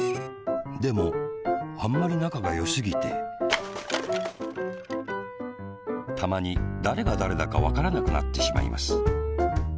でもあんまりなかがよすぎてたまにだれがだれだかわからなくなってしまいます。